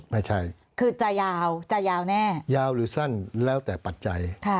ไม่ใช่คือจะยาวจะยาวแน่ยาวหรือสั้นแล้วแต่ปัจจัย